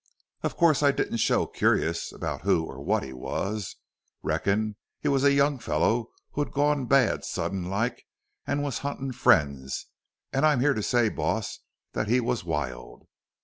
Of course I didn't show curious about who or what he was. Reckoned he was a young feller who'd gone bad sudden like an' was huntin' friends. An' I'm here to say, boss, that he was wild."